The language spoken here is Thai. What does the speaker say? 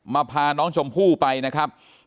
พาน้องชมพู่ไปนะครับ